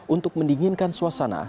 untuk mendinginkan suasana